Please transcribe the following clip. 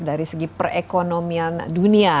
dari segi perekonomian dunia